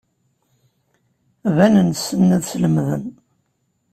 Banen ssnen ad slemden.